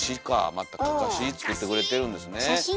またかかし作ってくれてるんですね。